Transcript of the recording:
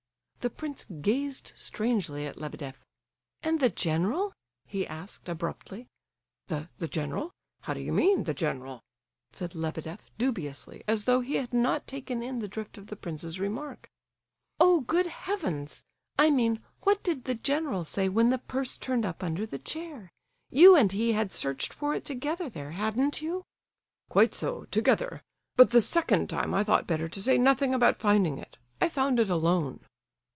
The prince gazed strangely at Lebedeff. "And the general?" he asked, abruptly. "The—the general? How do you mean, the general?" said Lebedeff, dubiously, as though he had not taken in the drift of the prince's remark. "Oh, good heavens! I mean, what did the general say when the purse turned up under the chair? You and he had searched for it together there, hadn't you?" "Quite so—together! But the second time I thought better to say nothing about finding it. I found it alone."